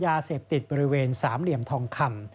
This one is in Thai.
ยาเสพติดบริเวณสามเหลี่ยมทองคำ